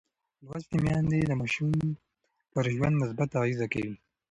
لوستې میندې د ماشوم پر ژوند مثبت اغېز کوي.